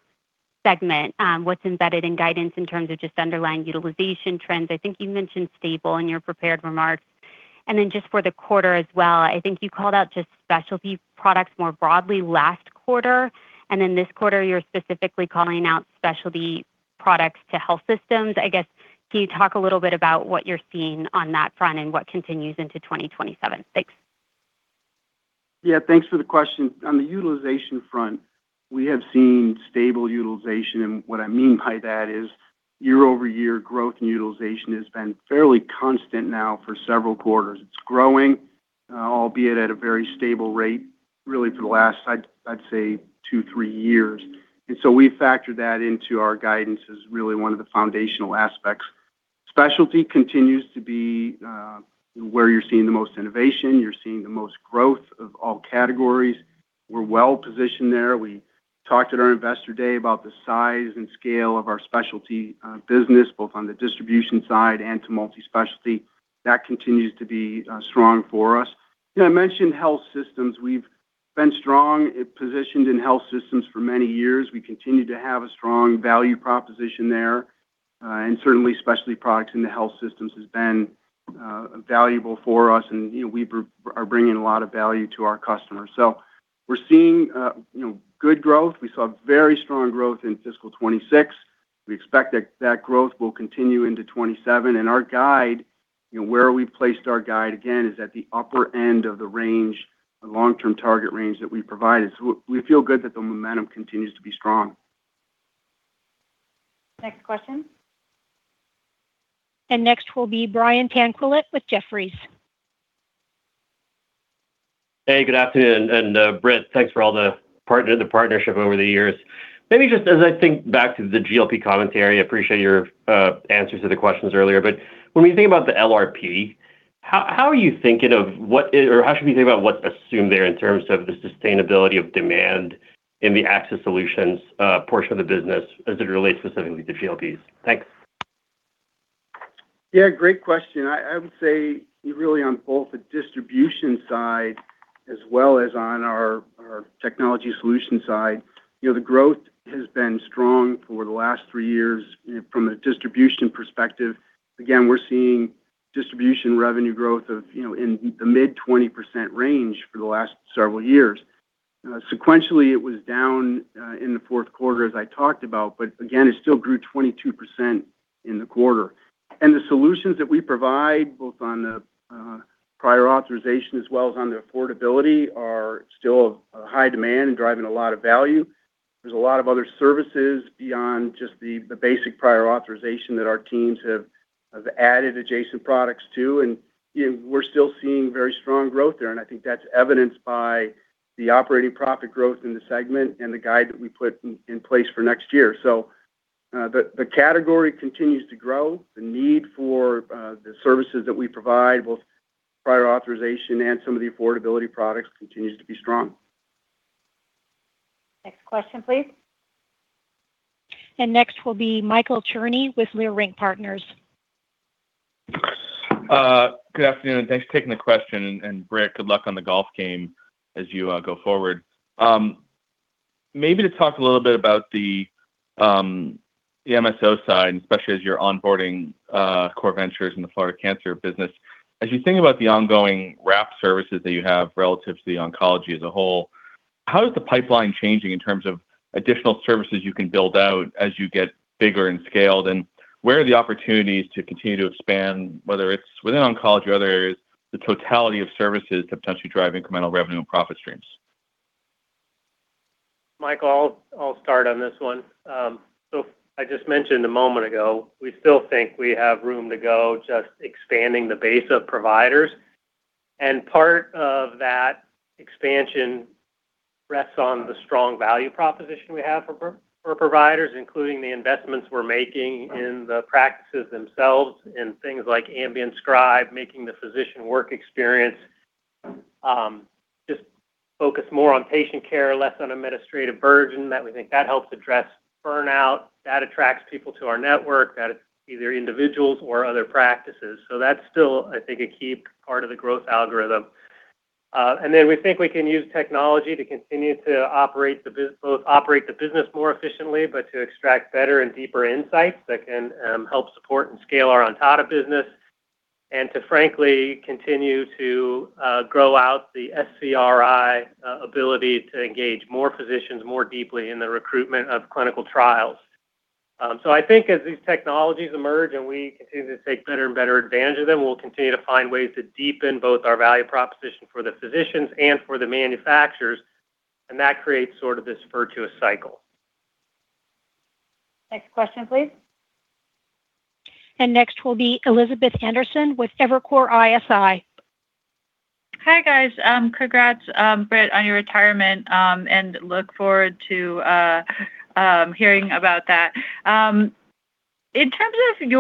segment, what's embedded in guidance in terms of just underlying utilization trends. I think you mentioned stable in your prepared remarks. Just for the quarter as well, I think you called out just specialty products more broadly last quarter. Then this quarter, you're specifically calling out specialty products to health systems. I guess, can you talk a little bit about what you're seeing on that front and what continues into 2027? Thanks. Thanks for the question. On the utilization front, we have seen stable utilization. What I mean by that is year-over-year growth and utilization has been fairly constant now for several quarters. It's growing, albeit at a very stable rate, really for the last, I'd say two, three years. We factor that into our guidance as really one of the foundational aspects. Specialty continues to be where you're seeing the most innovation. You're seeing the most growth of all categories. We're well-positioned there. We talked at our Investor Day about the size and scale of our specialty business, both on the distribution side and to Multispecialty. That continues to be strong for us. You know, I mentioned health systems. We've been strong. It positioned in health systems for many years. We continue to have a strong value proposition there. Certainly specialty products in the health systems has been valuable for us, and we are bringing a lot of value to our customers. We're seeing good growth. We saw very strong growth in fiscal 2026. We expect that that growth will continue into 2027. Our guide, where we placed our guide, again, is at the upper end of the range, the long-term target range that we provided. We feel good that the momentum continues to be strong. Next question. Next will be Brian Tanquilut with Jefferies. Hey, good afternoon. Britt, thanks for all the partnership over the years. Maybe just as I think back to the GLP commentary, I appreciate your answers to the questions earlier. When we think about the LRP, how are you thinking of how should we think about what's assumed there in terms of the sustainability of demand in the access solutions portion of the business as it relates specifically to GLPs? Thanks. Yeah, great question. I would say really on both the distribution side as well as on our technology solution side, you know, the growth has been strong for the last three years from a distribution perspective. Again, we're seeing distribution revenue growth of, you know, in the mid 20% range for the last several years. Sequentially, it was down in the fourth quarter, as I talked about, but again, it still grew 22% in the quarter. The solutions that we provide, both on the prior authorization as well as on the affordability, are still of high demand and driving a lot of value. There's a lot of other services beyond just the basic prior authorization that our teams have added adjacent products to, you know, we're still seeing very strong growth there. I think that's evidenced by the operating profit growth in the segment and the guide that we put in place for next year. The category continues to grow. The need for the services that we provide, both prior authorization and some of the affordability products, continues to be strong. Next question, please. Next will be Michael Cherny with Leerink Partners. Good afternoon, and thanks for taking the question. Britt, good luck on the golf game as you go forward. Maybe to talk a little bit about the MSO side, and especially as you're onboarding Core Ventures in the Florida Cancer business. As you think about the ongoing wrap services that you have relative to the oncology as a whole, how is the pipeline changing in terms of additional services you can build out as you get bigger and scaled? Where are the opportunities to continue to expand, whether it's within oncology or other areas, the totality of services to potentially drive incremental revenue and profit streams? Mike, I'll start on this one. I just mentioned a moment ago, we still think we have room to go just expanding the base of providers. Part of that expansion rests on the strong value proposition we have for providers, including the investments we're making in the practices themselves, in things like ambient scribe, making the physician work experience, just focus more on patient care, less on administrative burden, that we think that helps address burnout. That attracts people to our network, that either individuals or other practices. That's still, I think, a key part of the growth algorithm. We think we can use technology to continue to both operate the business more efficiently, but to extract better and deeper insights that can help support and scale our Ontada business, and to frankly continue to grow out the SCRI ability to engage more physicians more deeply in the recruitment of clinical trials. I think as these technologies emerge and we continue to take better and better advantage of them, we'll continue to find ways to deepen both our value proposition for the physicians and for the manufacturers, and that creates sort of this virtuous cycle. Next question, please. Next will be Elizabeth Anderson with Evercore ISI. Hi, guys. Congrats, Britt, on your retirement, and look forward to hearing about that. In terms of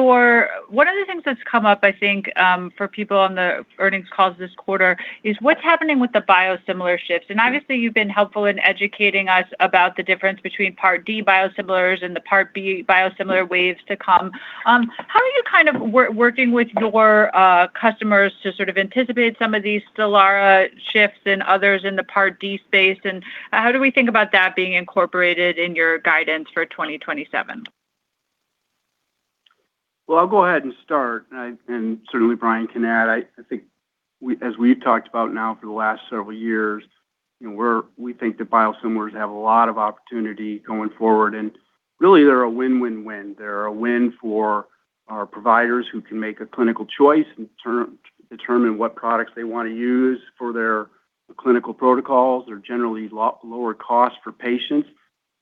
one of the things that's come up, I think, for people on the earnings calls this quarter is what's happening with the biosimilar shifts. Obviously, you've been helpful in educating us about the difference between Part D biosimilars and the Part B biosimilar waves to come. How are you kind of working with your customers to sort of anticipate some of these still are shifts and others in the Part D space? How do we think about that being incorporated in your guidance for 2027? I'll go ahead and start, and certainly Brian can add. I think as we've talked about now for the last several years, you know, we think that biosimilars have a lot of opportunity going forward, and really, they're a win-win-win. They're a win for our providers who can make a clinical choice and determine what products they wanna use for their clinical protocols. They're generally lower cost for patients,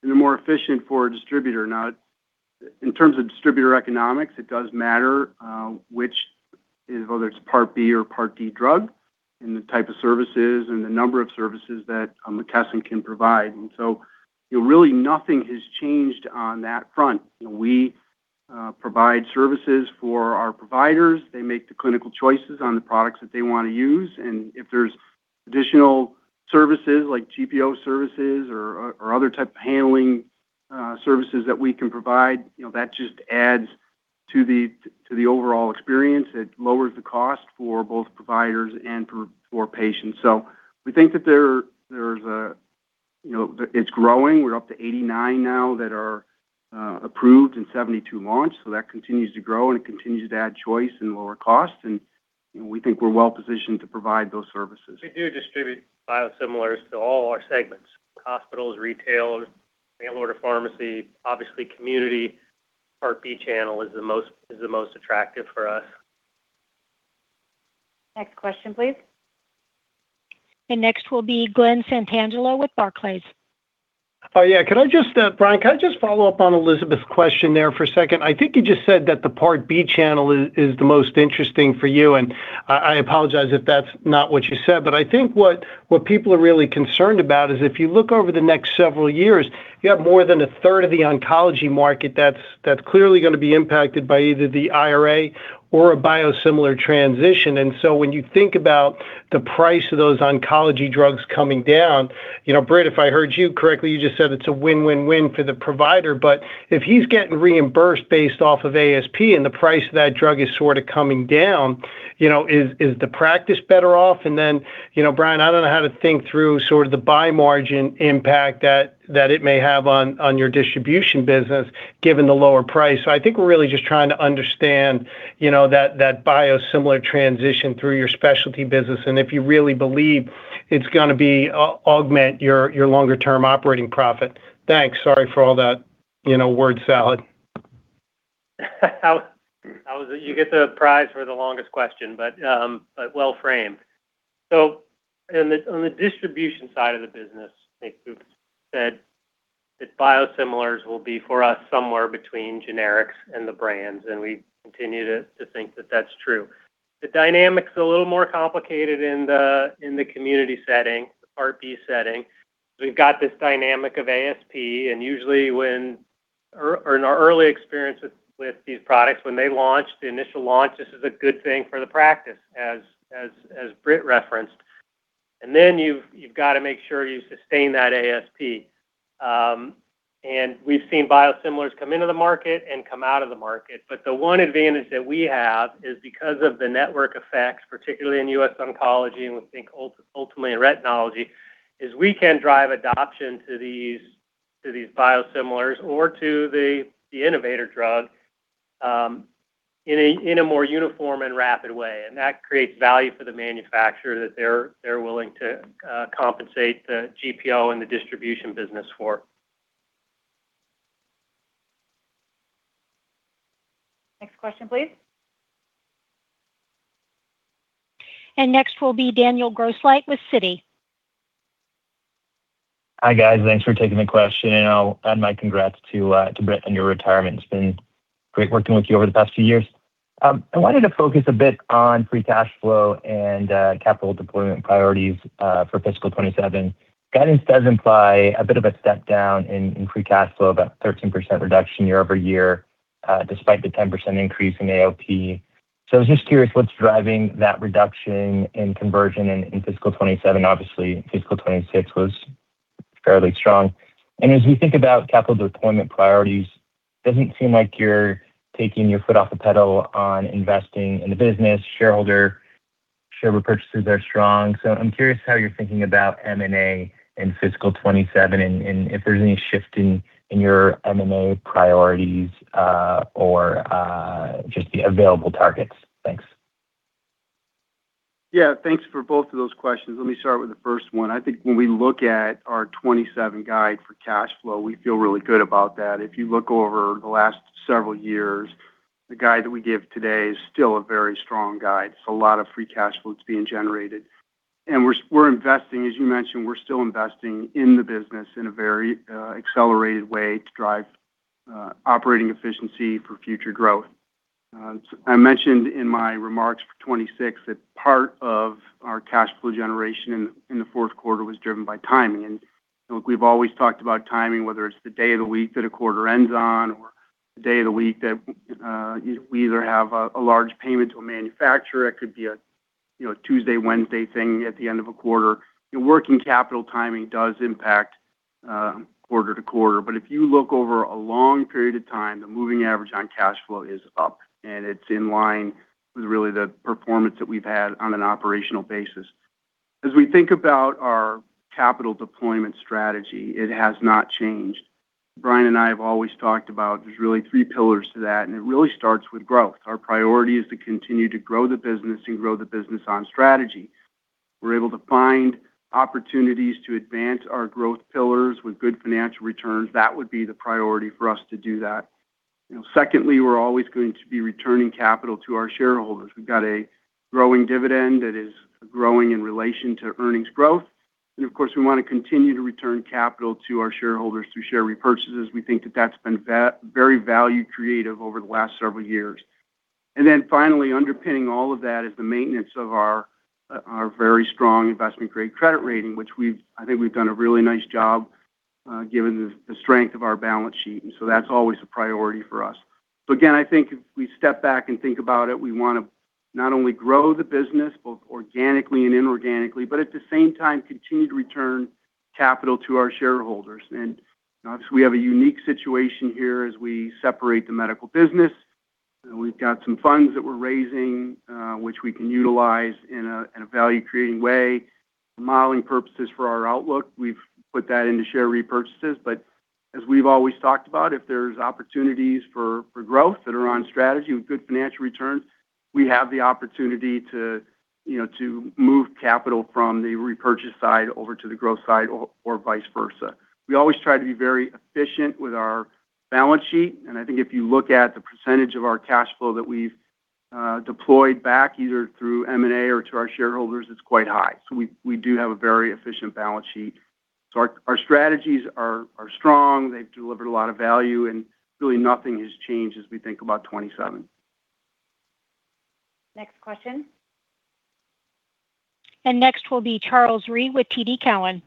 and they're more efficient for a distributor. In terms of distributor economics, it does matter which is whether it's Part B or Part D drug and the type of services and the number of services that McKesson can provide. You know, really nothing has changed on that front. You know, we provide services for our providers. They make the clinical choices on the products that they wanna use. If there's additional services like GPO services or other type of handling services that we can provide, you know, that just adds to the overall experience. It lowers the cost for both providers and for patients. We think that there's a, you know, that it's growing. We're up to 89 now that are approved and 72 launched. That continues to grow, and it continues to add choice and lower cost, and, you know, we think we're well-positioned to provide those services. We do distribute biosimilars to all our segments: hospitals, retail, mail order pharmacy. Obviously, community Part B channel is the most attractive for us. Next question, please. Next will be Glen Santangelo with Barclays. Oh, yeah. Can I just, Brian, can I just follow up on Elizabeth's question there for a second? I think you just said that the Part B channel is the most interesting for you, and I apologize if that's not what you said. I think what people are really concerned about is if you look over the next several years, you have more than 1/3 of the oncology market that's clearly gonna be impacted by either the IRA or a biosimilar transition. When you think about the price of those oncology drugs coming down, you know, Britt, if I heard you correctly, you just said it's a win-win-win for the provider. If he's getting reimbursed based off of ASP and the price of that drug is sorta coming down, you know, is the practice better off? You know, Brian, I don't know how to think through sort of the buy margin impact that it may have on your distribution business given the lower price. I think we're really just trying to understand, you know, that biosimilar transition through your specialty business and if you really believe it's gonna augment your longer term operating profit. Thanks. Sorry for all that, you know, word salad. You get the prize for the longest question, but well framed. On the distribution side of the business, I think we've said that biosimilars will be for us somewhere between generics and the brands, and we continue to think that that's true. The dynamic's a little more complicated in the community setting, Part B setting. We've got this dynamic of ASP or in our early experience with these products, when they launch, the initial launch, this is a good thing for the practice, as Britt referenced. Then you've got to make sure you sustain that ASP. We've seen biosimilars come into the market and come out of the market. The one advantage that we have is because of the network effects, particularly in US Oncology, and we think ultimately in retinology, is we can drive adoption to these biosimilars or to the innovator drug in a more uniform and rapid way. That creates value for the manufacturer that they're willing to compensate the GPO and the distribution business for. Next question, please. Next will be Daniel Grosslight with Citi. Hi, guys. Thanks for taking the question, and I'll add my congrats to Britt on your retirement. It's been great working with you over the past few years. I wanted to focus a bit on free cash flow and capital deployment priorities for fiscal 2027. Guidance does imply a bit of a step down in free cash flow, about 13% reduction year-over-year, despite the 10% increase in AOP. I was just curious what's driving that reduction in conversion in fiscal 2027. Obviously, fiscal 2026 was fairly strong. As we think about capital deployment priorities, doesn't seem like you're taking your foot off the pedal on investing in the business. Shareholder, share repurchases are strong. I'm curious how you're thinking about M&A in fiscal 2027 and if there's any shift in your M&A priorities, or just the available targets? Thanks. Yeah, thanks for both of those questions. Let me start with the first one. I think when we look at our 2027 guide for cash flow, we feel really good about that. If you look over the last several years, the guide that we give today is still a very strong guide. It's a lot of free cash flow that's being generated. We're investing, as you mentioned, we're still investing in the business in a very accelerated way to drive operating efficiency for future growth. I mentioned in my remarks for 2026 that part of our cash flow generation in the fourth quarter was driven by timing. Look, we've always talked about timing, whether it's the day of the week that a quarter ends on or the day of the week that we either have a large payment to a manufacturer. It could be a, you know, Tuesday, Wednesday thing at the end of a quarter. You know, working capital timing does impact quarter to quarter. If you look over a long period of time, the moving average on cash flow is up, and it's in line with really the performance that we've had on an operational basis. As we think about our capital deployment strategy, it has not changed. Brian and I have always talked about there's really three pillars to that, and it really starts with growth. Our priority is to continue to grow the business and grow the business on strategy. If we're able to find opportunities to advance our growth pillars with good financial returns, that would be the priority for us to do that. You know, secondly, we're always going to be returning capital to our shareholders. We've got a growing dividend that is growing in relation to earnings growth. Of course, we want to continue to return capital to our shareholders through share repurchases. We think that that's been very value creative over the last several years. Finally, underpinning all of that is the maintenance of our very strong investment-grade credit rating, which I think we've done a really nice job given the strength of our balance sheet. That's always a priority for us. Again, I think if we step back and think about it, we wanna not only grow the business both organically and inorganically, but at the same time continue to return capital to our shareholders. Obviously, we have a unique situation here as we separate the Medical business, and we've got some funds that we're raising, which we can utilize in a, in a value-creating way. Modeling purposes for our outlook, we've put that into share repurchases. As we've always talked about, if there's opportunities for growth that are on strategy with good financial returns, we have the opportunity to, you know, to move capital from the repurchase side over to the growth side or vice versa. We always try to be very efficient with our balance sheet, and I think if you look at the percentage of our cash flow that we've deployed back, either through M&A or to our shareholders, it's quite high. We, we do have a very efficient balance sheet. Our, our strategies are strong. They've delivered a lot of value, and really nothing has changed as we think about 2027. Next question. Next will be Charles Rhyee with TD Cowen.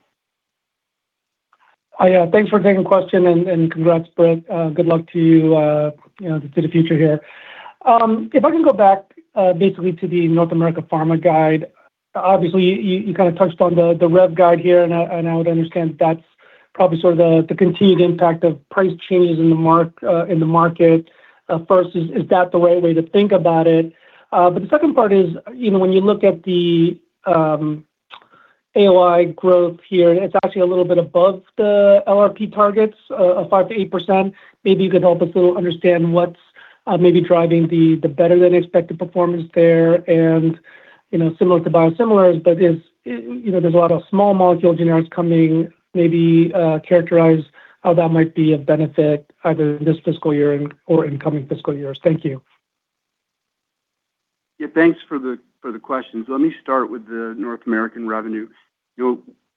Hi, thanks for taking question and congrats, Britt. Good luck to you know, to the future here. If I can go back, basically to the North American Pharma guide, obviously, you kinda touched on the rev guide here, and I, and I would understand that's probably sort of the continued impact of price changes in the market. First, is that the right way to think about it? But the second part is, you know, when you look at the AOI growth here, and it's actually a little bit above the LRP targets of 5%-8%, maybe you could help us a little understand what's maybe driving the better-than-expected performance there and, you know, similar to biosimilars. You know, there's a lot of small molecule generics coming, maybe, characterize how that might be of benefit either this fiscal year and/or in coming fiscal years. Thank you. Yeah, thanks for the questions. Let me start with the North American revenue. You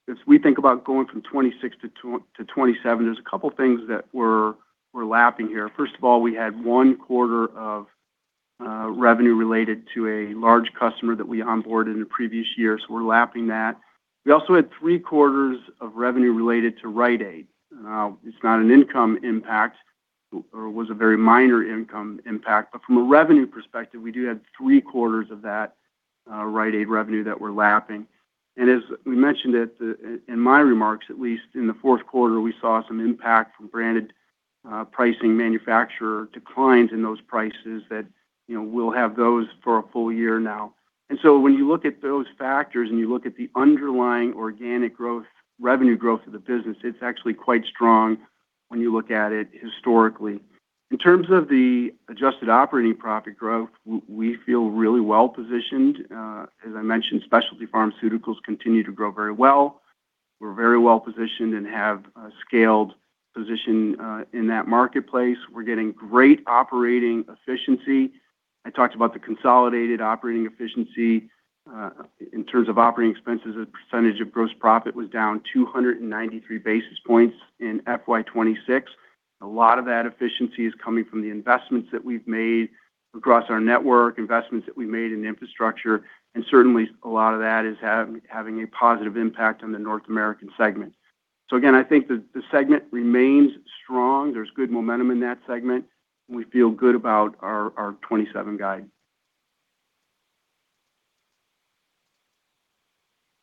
know, as we think about going from 2026 to 2027, there's two things that we're lapping here. First of all, we had one quarter of revenue related to a large customer that we onboarded in the previous year, we're lapping that. We also had three-quarters of revenue related to Rite Aid. It's not an income impact, or it was a very minor income impact, from a revenue perspective, we do have three-quarters of that Rite Aid revenue that we're lapping. As we mentioned in my remarks, at least, in the fourth quarter, we saw some impact from branded pricing manufacturer declines in those prices that, you know, we'll have those for a full year now. When you look at those factors and you look at the underlying organic growth, revenue growth of the business, it's actually quite strong when you look at it historically. In terms of the adjusted operating profit growth, we feel really well-positioned. As I mentioned, specialty pharmaceuticals continue to grow very well. We're very well positioned and have a scaled position in that marketplace. We're getting great operating efficiency. I talked about the consolidated operating efficiency. In terms of operating expenses, as a percentage of gross profit was down 293 basis points in FY 2026. A lot of that efficiency is coming from the investments that we've made across our network, investments that we made in infrastructure, and certainly a lot of that is having a positive impact on the North American segment. Again, I think the segment remains strong. There's good momentum in that segment. We feel good about our 2027 guide.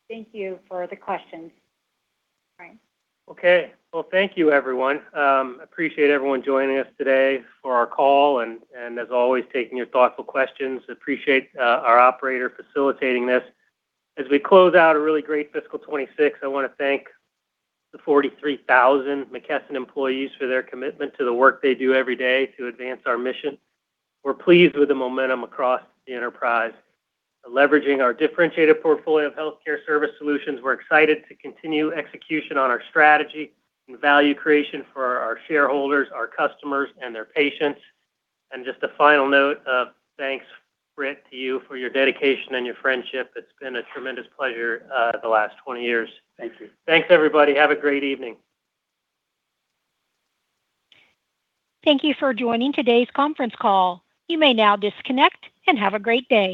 Thank you for the questions. Brian. Well, thank you, everyone. Appreciate everyone joining us today for our call and as always, taking your thoughtful questions. Appreciate our operator facilitating this. As we close out a really great fiscal 2026, I wanna thank the 43,000 McKesson employees for their commitment to the work they do every day to advance our mission. We're pleased with the momentum across the enterprise. Leveraging our differentiated portfolio of healthcare service solutions, we're excited to continue execution on our strategy and value creation for our shareholders, our customers, and their patients. Just a final note of thanks, Britt, to you for your dedication and your friendship. It's been a tremendous pleasure, the last 20 years. Thank you. Thanks, everybody. Have a great evening. Thank you for joining today's conference call. You may now disconnect and have a great day.